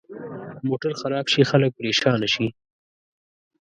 موټر خراب شي، خلک پرېشانه شي.